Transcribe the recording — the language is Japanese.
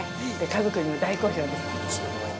家族にも大好評です。